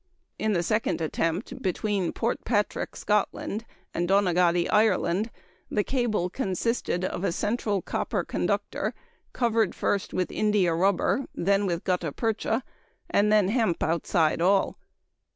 In the second attempt between Port Patrick (Scotland) and Donaghadee (Ireland) the cable consisted of a central copper conductor covered first with india rubber, then with gutta percha, and then hemp outside all.